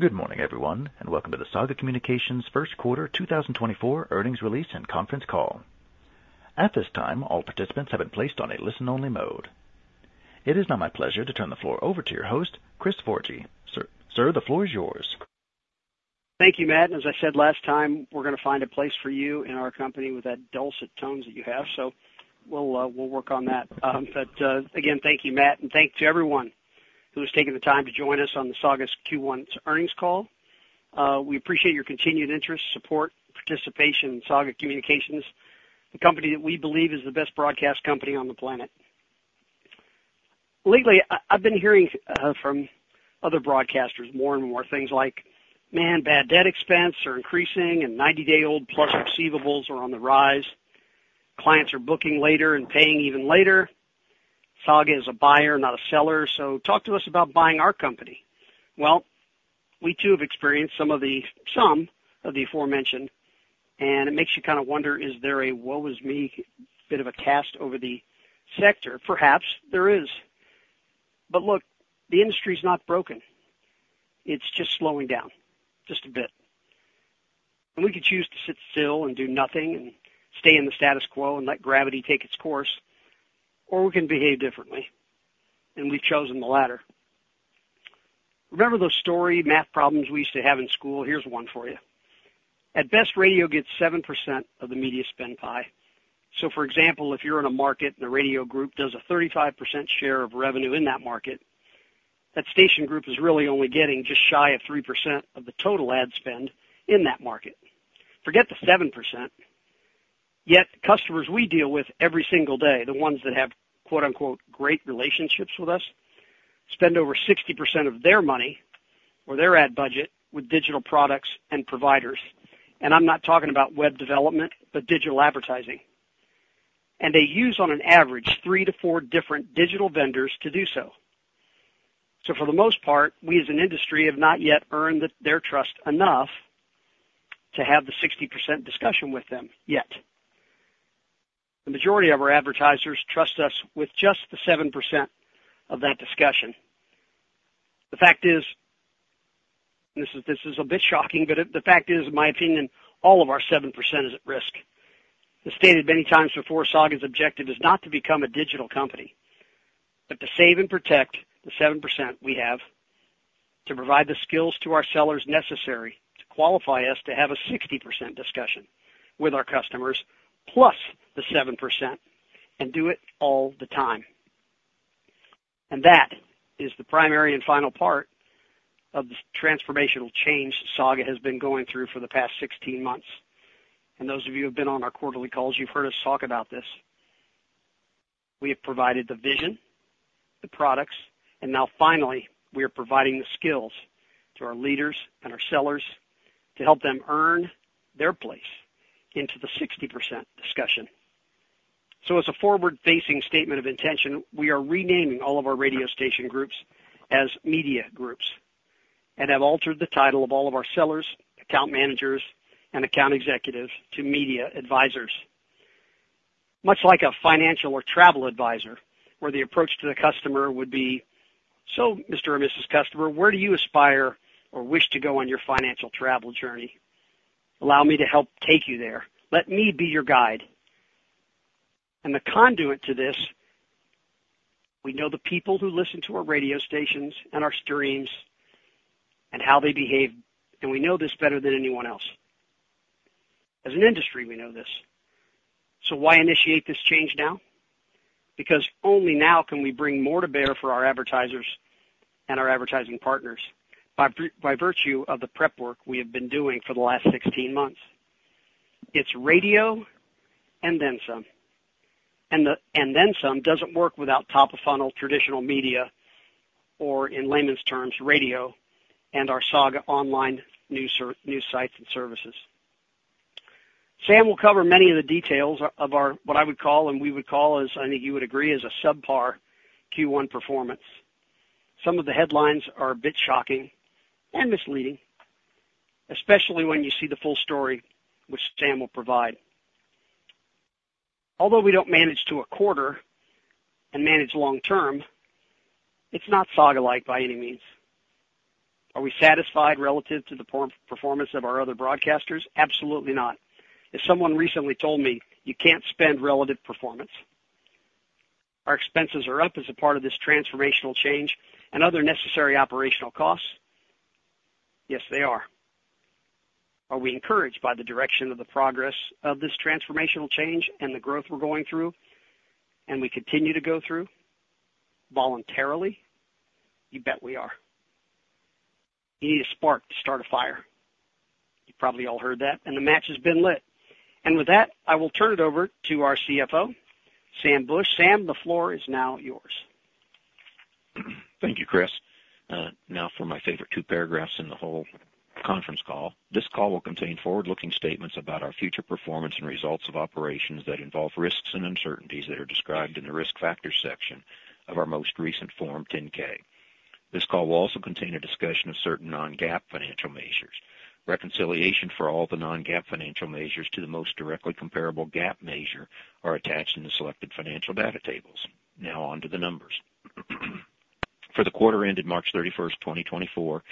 Good morning, everyone, and welcome to the Saga Communications first quarter 2024 earnings release and conference call. At this time, all participants have been placed on a listen-only mode. It is now my pleasure to turn the floor over to your host, Chris Forgy. Sir, sir, the floor is yours. Thank you, Matt. As I said last time, we're going to find a place for you in our company with that dulcet tones that you have, so we'll work on that. Again, thank you, Matt, and thanks to everyone who has taken the time to join us on the Saga's Q1 earnings call. We appreciate your continued interest, support, participation in Saga Communications, the company that we believe is the best broadcast company on the planet. Lately, I've been hearing from other broadcasters more and more things like, Man, bad debt expense are increasing, and 90-day-old plus receivables are on the rise. Clients are booking later and paying even later. Saga is a buyer, not a seller, so talk to us about buying our company. Well, we too have experienced some of the aforementioned, and it makes you kind of wonder, is there a woe is me bit of a cast over the sector? Perhaps there is. But look, the industry's not broken. It's just slowing down, just a bit. And we could choose to sit still and do nothing and stay in the status quo and let gravity take its course, or we can behave differently, and we've chosen the latter. Remember those story math problems we used to have in school? Here's one for you. At best, radio gets 7% of the media spend pie. So, for example, if you're in a market and a radio group does a 35% share of revenue in that market, that station group is really only getting just shy of 3% of the total ad spend in that market. Forget the 7%. Yet customers we deal with every single day, the ones that have great relationships with us, spend over 60% of their money or their ad budget with digital products and providers. And I'm not talking about web development, but digital advertising. And they use on an average three-four different digital vendors to do so. So for the most part, we as an industry have not yet earned their trust enough to have the 60% discussion with them yet. The majority of our advertisers trust us with just the 7% of that discussion. The fact is, and this is a bit shocking, but the fact is, in my opinion, all of our 7% is at risk. As stated many times before, Saga's objective is not to become a digital company, but to save and protect the 7% we have, to provide the skills to our sellers necessary to qualify us to have a 60% discussion with our customers plus the 7%, and do it all the time. And that is the primary and final part of the transformational change Saga has been going through for the past 16 months. And those of you who have been on our quarterly calls, you've heard us talk about this. We have provided the vision, the products, and now finally, we are providing the skills to our leaders and our sellers to help them earn their place into the 60% discussion. So as a forward-facing statement of intention, we are renaming all of our radio station groups as Media Groups and have altered the title of all of our sellers, account managers, and account executives to Media Advisors, much like a financial or travel advisor where the approach to the customer would be, So, Mr. or Mrs. Customer, where do you aspire or wish to go on your financial travel journey? Allow me to help take you there. Let me be your guide. And the conduit to this, we know the people who listen to our radio stations and our streams and how they behave, and we know this better than anyone else. As an industry, we know this. So why initiate this change now? Because only now can we bring more to bear for our advertisers and our advertising partners by virtue of the prep work we have been doing for the last 16 months. It's radio and then some. And the then some doesn't work without top-of-funnel traditional media or, in layman's terms, radio and our Saga Online News sites and services. Sam will cover many of the details of our what I would call and we would call as I think you would agree as a subpar Q1 performance. Some of the headlines are a bit shocking and misleading, especially when you see the full story which Sam will provide. Although we don't manage to a quarter and manage long-term, it's not Saga-like by any means. Are we satisfied relative to the poor performance of our other broadcasters? Absolutely not. As someone recently told me, You can't spend relative performance. Our expenses are up as a part of this transformational change and other necessary operational costs? Yes, they are. Are we encouraged by the direction of the progress of this transformational change and the growth we're going through and we continue to go through voluntarily? You bet we are. You need a spark to start a fire. You've probably all heard that, and the match has been lit. And with that, I will turn it over to our CFO, Sam Bush. Sam, the floor is now yours. Thank you, Chris. Now for my favorite two paragraphs in the whole conference call. This call will contain forward-looking statements about our future performance and results of operations that involve risks and uncertainties that are described in the risk factors section of our most recent Form 10-K. This call will also contain a discussion of certain non-GAAP financial measures. Reconciliation for all the non-GAAP financial measures to the most directly comparable GAAP measure are attached in the selected financial data tables. Now onto the numbers. For the quarter ended March 31st, 2024,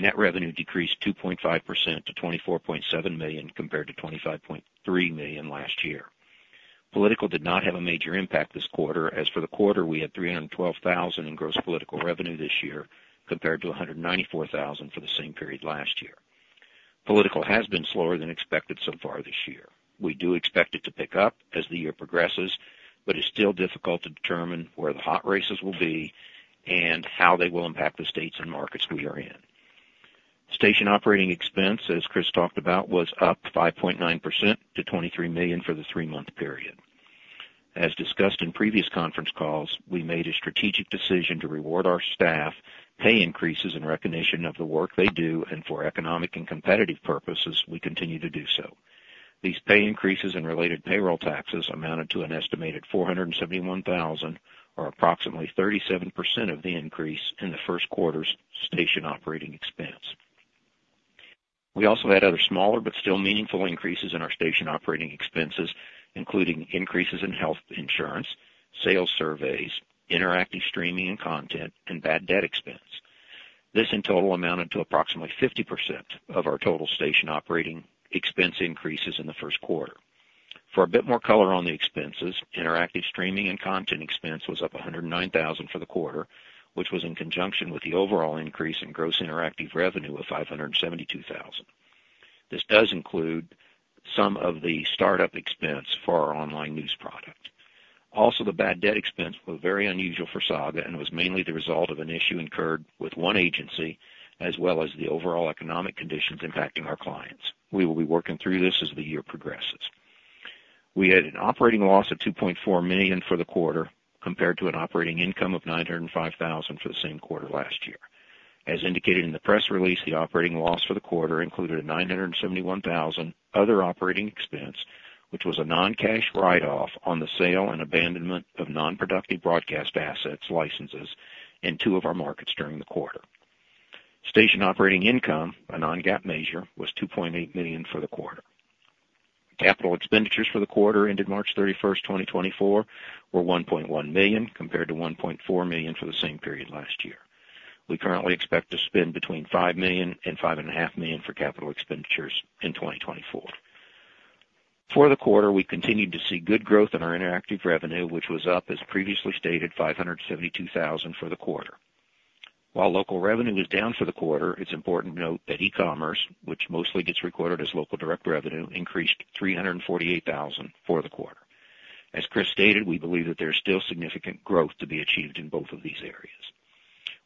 net revenue decreased 2.5% to $24.7 million compared to $25.3 million last year. Political did not have a major impact this quarter, as for the quarter, we had $312,000 in gross political revenue this year compared to $194,000 for the same period last year. Political has been slower than expected so far this year. We do expect it to pick up as the year progresses, but it's still difficult to determine where the hot races will be and how they will impact the states and markets we are in. Station operating expense, as Chris talked about, was up 5.9% to $23 million for the three-month period. As discussed in previous conference calls, we made a strategic decision to reward our staff pay increases in recognition of the work they do, and for economic and competitive purposes, we continue to do so. These pay increases and related payroll taxes amounted to an estimated $471,000 or approximately 37% of the increase in the first quarter's station operating expense. We also had other smaller but still meaningful increases in our station operating expenses, including increases in health insurance, sales surveys, interactive streaming and content, and bad debt expense. This in total amounted to approximately 50% of our total station operating expense increases in the first quarter. For a bit more color on the expenses, interactive streaming and content expense was up $109,000 for the quarter, which was in conjunction with the overall increase in gross interactive revenue of $572,000. This does include some of the startup expense for our online news product. Also, the bad debt expense was very unusual for Saga and was mainly the result of an issue incurred with one agency as well as the overall economic conditions impacting our clients. We will be working through this as the year progresses. We had an operating loss of $2.4 million for the quarter compared to an operating income of $905,000 for the same quarter last year. As indicated in the press release, the operating loss for the quarter included a $971,000 other operating expense, which was a non-cash write-off on the sale and abandonment of non-productive broadcast assets, licenses, in two of our markets during the quarter. Station operating income, a non-GAAP measure, was $2.8 million for the quarter. Capital expenditures for the quarter ended March 31st, 2024, were $1.1 million compared to $1.4 million for the same period last year. We currently expect to spend between $5 million and $5.5 million for capital expenditures in 2024. For the quarter, we continued to see good growth in our interactive revenue, which was up, as previously stated, $572,000 for the quarter. While local revenue was down for the quarter, it's important to note that e-commerce, which mostly gets recorded as local direct revenue, increased $348,000 for the quarter. As Chris stated, we believe that there's still significant growth to be achieved in both of these areas.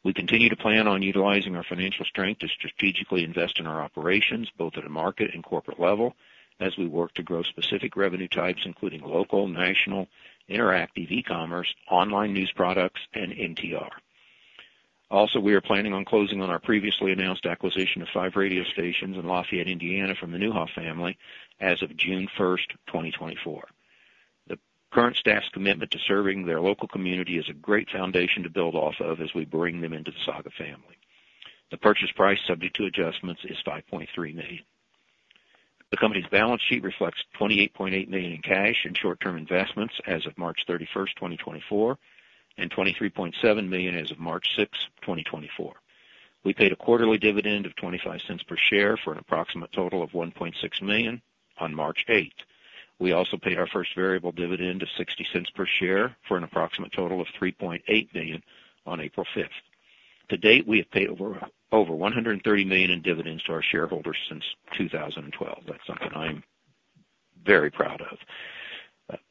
We continue to plan on utilizing our financial strength to strategically invest in our operations, both at a market and corporate level, as we work to grow specific revenue types including local, national, interactive, e-commerce online news products, and NTR. Also, we are planning on closing on our previously announced acquisition of five radio stations in Lafayette, Indiana, from the Neuhoff family as of June 1st, 2024. The current staff's commitment to serving their local community is a great foundation to build off of as we bring them into the Saga family. The purchase price, subject to adjustments, is $5.3 million. The company's balance sheet reflects $28.8 million in cash and short-term investments as of March 31st, 2024, and $23.7 million as of March 6th, 2024. We paid a quarterly dividend of $0.25 per share for an approximate total of $1.6 million on March 8th. We also paid our first variable dividend of $0.60 per share for an approximate total of $3.8 million on April 5th. To date, we have paid over $130 million in dividends to our shareholders since 2012. That's something I'm very proud of.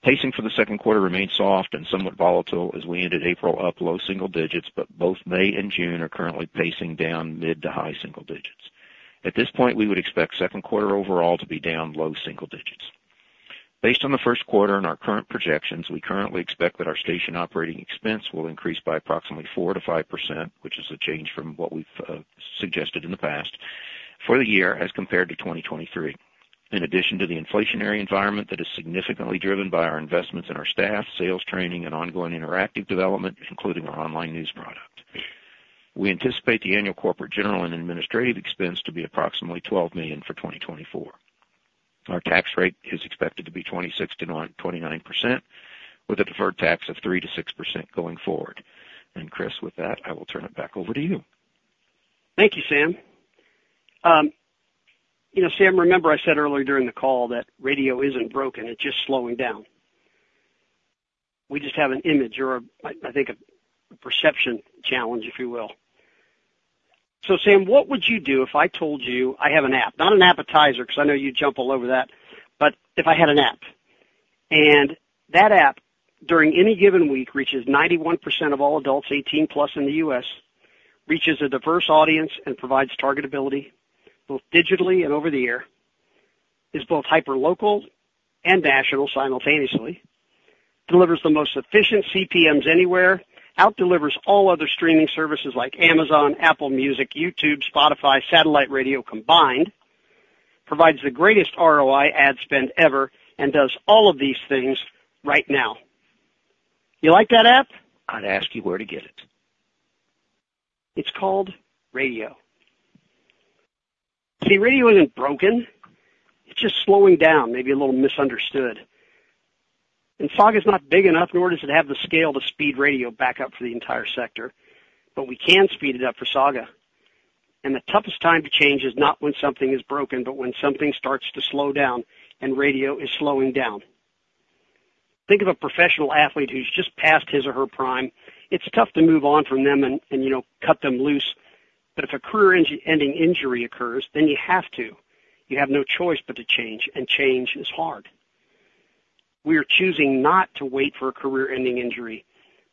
Pacing for the second quarter remained soft and somewhat volatile as we ended April up low single digits, but both May and June are currently pacing down mid to high single digits. At this point, we would expect second quarter overall to be down low single digits. Based on the first quarter and our current projections, we currently expect that our station operating expense will increase by approximately 4%-5%, which is a change from what we've suggested in the past for the year as compared to 2023, in addition to the inflationary environment that is significantly driven by our investments in our staff, sales training, and ongoing interactive development, including our online news product. We anticipate the annual corporate general and administrative expense to be approximately $12 million for 2024. Our tax rate is expected to be 26%-29%, with a deferred tax of 3%-6% going forward. And Chris, with that, I will turn it back over to you. Thank you, Sam. You know, Sam, remember I said earlier during the call that radio isn't broken. It's just slowing down. We just have an image or a, I think a perception challenge, if you will. So Sam, what would you do if I told you, I have an app? Not an appetizer 'cause I know you jump all over that, but if I had an app, and that app, during any given week, reaches 91% of all adults 18+ in the U.S., reaches a diverse audience and provides targetability both digitally and over the air, is both hyperlocal and national simultaneously, delivers the most efficient CPMs anywhere, outdelivers all other streaming services like Amazon, Apple Music, YouTube, Spotify, satellite radio combined, provides the greatest ROI ad spend ever, and does all of these things right now. You like that app? I'd ask you where to get it. It's called radio. See, radio isn't broken. It's just slowing down, maybe a little misunderstood. And Saga's not big enough, nor does it have the scale to speed radio back up for the entire sector. But we can speed it up for Saga. And the toughest time to change is not when something is broken, but when something starts to slow down and radio is slowing down. Think of a professional athlete who's just passed his or her prime. It's tough to move on from them and, you know, cut them loose. But if a career-ending injury occurs, then you have to. You have no choice but to change, and change is hard. We are choosing not to wait for a career-ending injury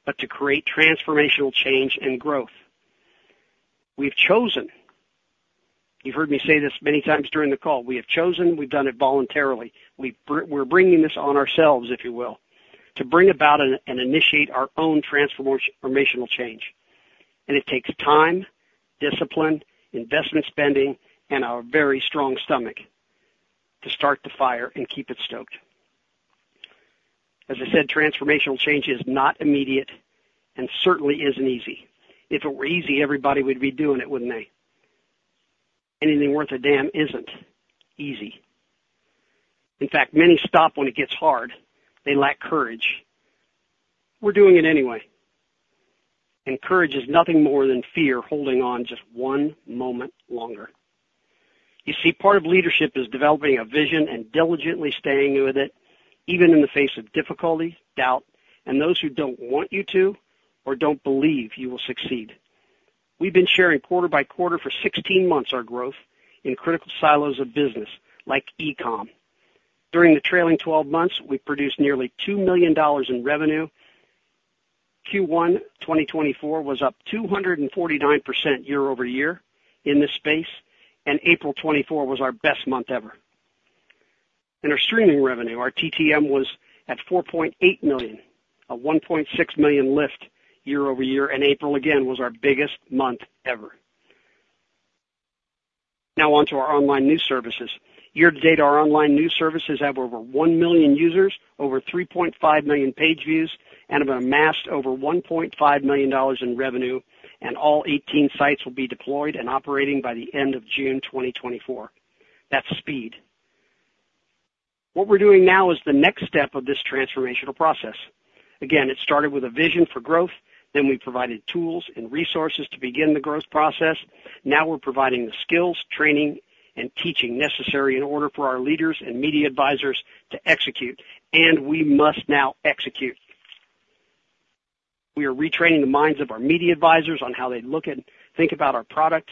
but to create transformational change and growth. We've chosen. You've heard me say this many times during the call. We have chosen. We've done it voluntarily. We're bringing this on ourselves, if you will, to bring about an initiate our own transformational change. And it takes time, discipline, investment spending, and our very strong stomach to start the fire and keep it stoked. As I said, transformational change is not immediate and certainly isn't easy. If it were easy, everybody would be doing it, wouldn't they? Anything worth a damn isn't easy. In fact, many stop when it gets hard. They lack courage. We're doing it anyway. And courage is nothing more than fear holding on just one moment longer. You see, part of leadership is developing a vision and diligently staying with it, even in the face of difficulty, doubt, and those who don't want you to or don't believe you will succeed. We've been sharing quarter by quarter for 16 months our growth in critical silos of business like e-com. During the trailing 12 months, we produced nearly $2 million in revenue. Q1 2024 was up 249% year-over-year in this space, and April 2024 was our best month ever. In our streaming revenue, our TTM was at $4.8 million, a $1.6 million lift year-over-year, and April, again, was our biggest month ever. Now onto our online news services. Year to date, our online news services have over 1 million users, over 3.5 million page views, and have amassed over $1.5 million in revenue, and all 18 sites will be deployed and operating by the end of June 2024. That's speed. What we're doing now is the next step of this transformational process. Again, it started with a vision for growth. Then we provided tools and resources to begin the growth process. Now we're providing the skills, training, and teaching necessary in order for our leaders and Media Advisors to execute. We must now execute. We are retraining the minds of our Media Advisors on how they look and think about our product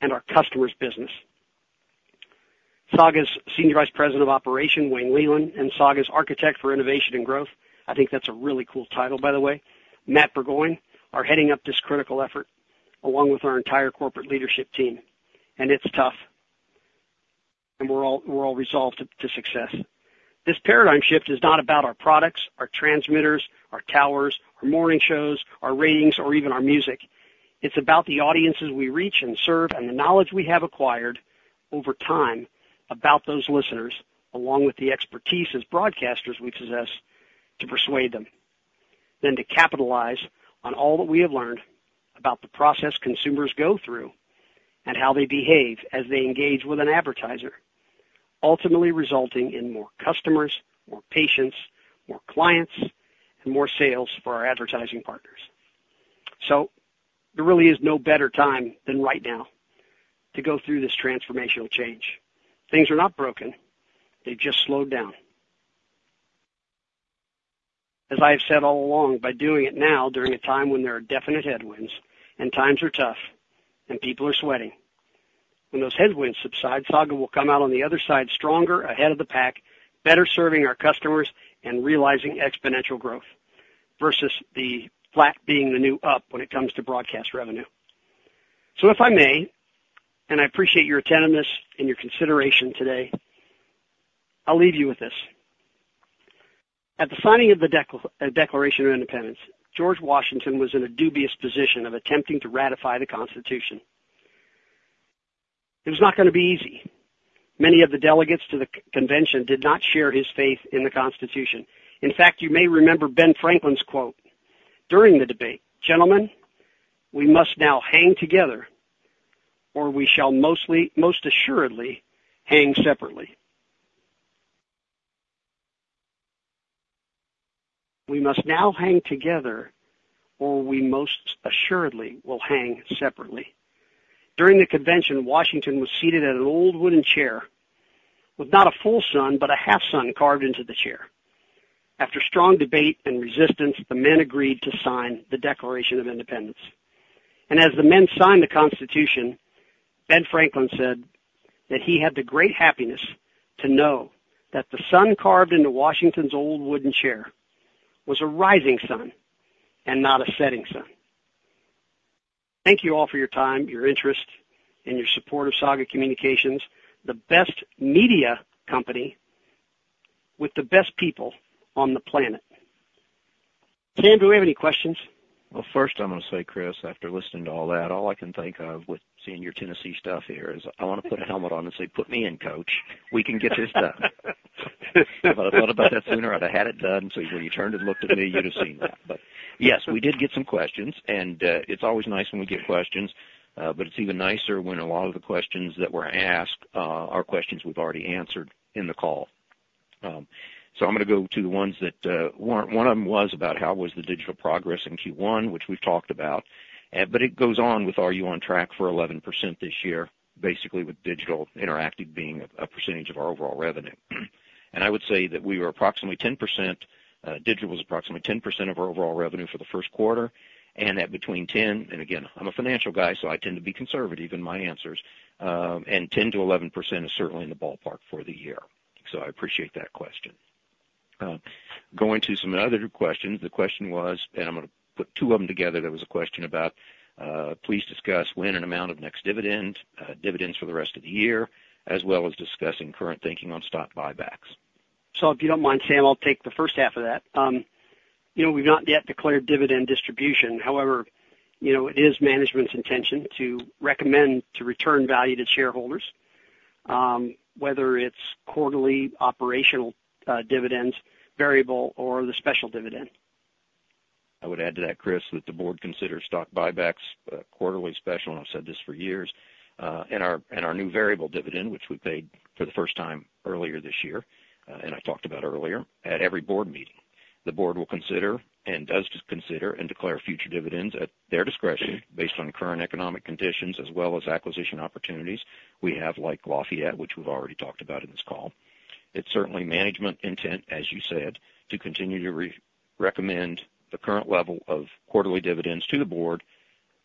and our customer's business. Saga's Senior Vice President of Operations, Wayne Leland, and Saga's architect for innovation and growth, I think that's a really cool title, by the way, Matt Burgoyne, are heading up this critical effort along with our entire corporate leadership team. It's tough. We're all, we're all resolved to, to success. This paradigm shift is not about our products, our transmitters, our towers, our morning shows, our ratings, or even our music. It's about the audiences we reach and serve and the knowledge we have acquired over time about those listeners, along with the expertise as broadcasters we possess to persuade them, then to capitalize on all that we have learned about the process consumers go through and how they behave as they engage with an advertiser, ultimately resulting in more customers, more patients, more clients, and more sales for our advertising partners. So there really is no better time than right now to go through this transformational change. Things are not broken. They've just slowed down. As I have said all along, by doing it now during a time when there are definite headwinds and times are tough and people are sweating, when those headwinds subside, Saga will come out on the other side stronger, ahead of the pack, better serving our customers and realizing exponential growth versus the flat being the new up when it comes to broadcast revenue. So if I may, and I appreciate your attentiveness and your consideration today, I'll leave you with this. At the signing of the Declaration of Independence, George Washington was in a dubious position of attempting to ratify the Constitution. It was not gonna be easy. Many of the delegates to the convention did not share his faith in the Constitution. In fact, you may remember Ben Franklin's quote during the debate, Gentlemen, we must now hang together, or we shall most assuredly hang separately. We must now hang together, or we most assuredly will hang separately. During the convention, Washington was seated at an old wooden chair with not a full sun but a half sun carved into the chair. After strong debate and resistance, the men agreed to sign the Declaration of Independence. As the men signed the Constitution, Ben Franklin said that he had the great happiness to know that the sun carved into Washington's old wooden chair was a rising sun and not a setting sun. Thank you all for your time, your interest, and your support of Saga Communications, the best media company with the best people on the planet. Sam, do we have any questions? Well, first, I'm gonna say, Chris, after listening to all that, all I can think of with seeing your Tennessee stuff here is, I wanna put a helmet on and say, 'Put me in, coach. We can get this done.' If I'd have thought about that sooner, I'd have had it done. So when you turned and looked at me, you'd have seen that. But yes, we did get some questions. And it's always nice when we get questions. But it's even nicer when a lot of the questions that were asked are questions we've already answered in the call. So I'm gonna go to the ones that, one of them was about how was the digital progress in Q1, which we've talked about. But it goes on with, Are you on track for 11% this year, basically with digital interactive being a percentage of our overall revenue. And I would say that we were approximately 10% digital was approximately 10% of our overall revenue for the first quarter. And at between 10 and again, I'm a financial guy, so I tend to be conservative in my answers. And 10%-11% is certainly in the ballpark for the year. So I appreciate that question. Going to some other questions, the question was and I'm gonna put two of them together. There was a question about, Please discuss when and amount of next dividend, dividends for the rest of the year, as well as discussing current thinking on stock buybacks. So if you don't mind, Sam, I'll take the first half of that. You know, we've not yet declared dividend distribution. However, you know, it is management's intention to recommend to return value to shareholders, whether it's quarterly operational, dividends, variable, or the special dividend. I would add to that, Chris, that the board considers stock buybacks, quarterly special dividends, and I've said this for years, and our new variable dividend, which we paid for the first time earlier this year, and I talked about earlier, at every board meeting. The board will consider and does consider and declare future dividends at their discretion based on current economic conditions as well as acquisition opportunities we have, like Lafayette, which we've already talked about in this call. It's certainly management intent, as you said, to continue to recommend the current level of quarterly dividends to the board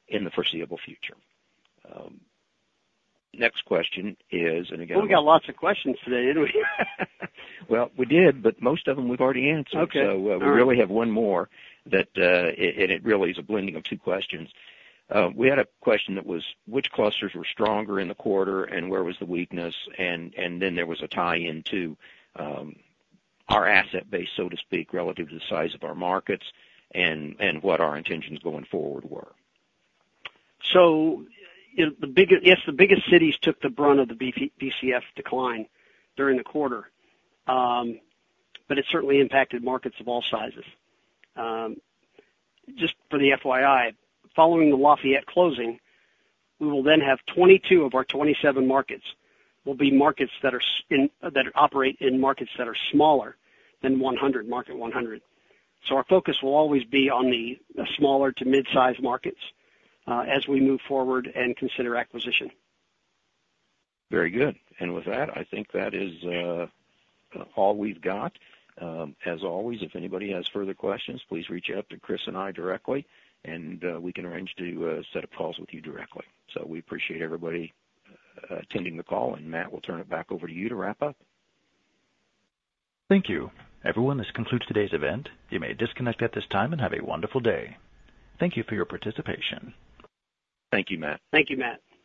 in the foreseeable future. Next question is, and again. Well, we got lots of questions today, didn't we? Well, we did, but most of them, we've already answered. Okay. All right. So, we really have one more that, and it really is a blending of two questions. We had a question that was, Which clusters were stronger in the quarter, and where was the weakness? And then there was a tie into our asset base, so to speak, relative to the size of our markets and what our intentions going forward were. So, you know, the biggest yes, the biggest cities took the brunt of the BCF decline during the quarter. But it certainly impacted markets of all sizes. Just for the FYI, following the Lafayette closing, we will then have 22 of our 27 markets will be markets that are in that operate in markets that are smaller than 100, market 100. So our focus will always be on the smaller to midsize markets, as we move forward and consider acquisition. Very good. And with that, I think that is all we've got. As always, if anybody has further questions, please reach out to Chris and I directly, and we can arrange to set up calls with you directly. So we appreciate everybody attending the call. And Matt, we'll turn it back over to you to wrap up. Thank you. Everyone, this concludes today's event. You may disconnect at this time and have a wonderful day. Thank you for your participation. Thank you, Matt. Thank you, Matt.